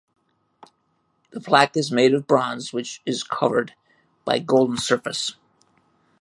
The plaque is made of bronze which covered by golden surface.